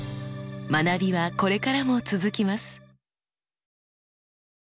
学びはこれからも続きます。